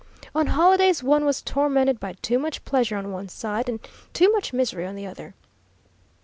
On holidays one was tormented by too much pleasure on one side, and too much misery on the other.